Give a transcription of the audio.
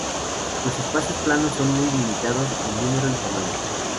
Los espacios planos son muy limitados en número y tamaño.